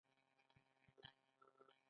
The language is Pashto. د جومات احاطه ډېره لویه ده.